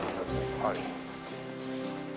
はい。